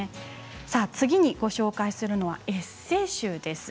次に紹介するのはエッセー集です。